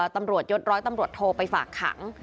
ตำรวจยดร้อยตำรวจโทรไปฝากขัง